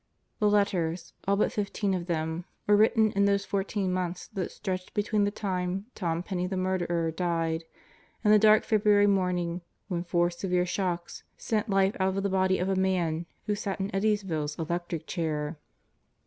The letters, all but fifteen of them, were written in those fourteen months that stretched between the time Tom Penney the murderer died and the dark February morning when four severe shocks sent life out of the body of the man who sat in Eddyville's electric chair.